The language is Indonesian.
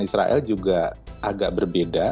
israel juga agak berbeda